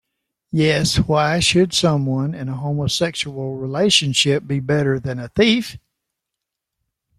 Yes, why should someone in a homosexual relationship be better than a thief?